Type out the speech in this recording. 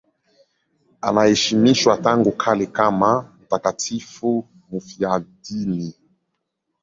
Anaheshimiwa tangu kale kama mtakatifu mfiadini.